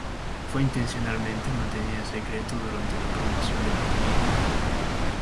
Fue intencionalmente mantenida en secreto durante la promoción de la película.